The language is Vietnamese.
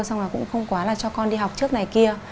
xong là cũng không quá là cho con đi học trước này kia